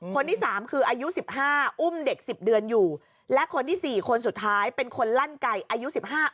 คนที่สามคืออายุสิบห้าอุ้มเด็ก๑๐เดือนอยู่และคนที่๔คนสุดท้ายเป็นคนลั่นไก่อายุ๑๕